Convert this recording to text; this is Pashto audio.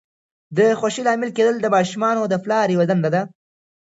د خوښۍ لامل کېدل د ماشومانو د پلار یوه دنده ده.